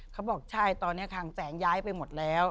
เขาบอกใช่ตอนนี้คางแสงย้ายไปหมดแล้ว